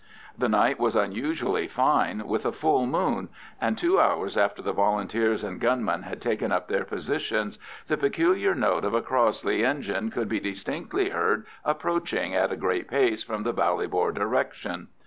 The night was unusually fine with a full moon, and two hours after the Volunteers and gunmen had taken up their positions, the peculiar note of a Crossley engine could be distinctly heard approaching at a great pace from the Ballybor direction.